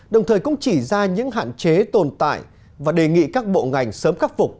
đồng thời cũng chỉ ra những hạn chế tồn tại và đề nghị các bộ ngành sớm khắc phục